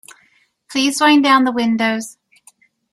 Please wind down the windows.